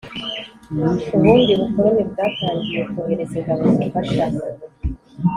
ubundi bukoloni bwatangiye kohereza ingabo zifasha.